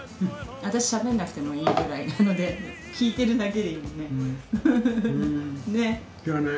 私しゃべんなくてもいいくらいなので聞いてるだけでいいもんね。